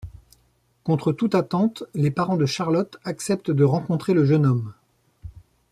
Contre toute attente, les parents de Charlotte acceptent de rencontrer le jeune homme.